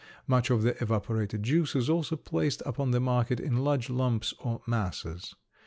Much of the evaporated juice is also placed upon the market in large lumps or masses.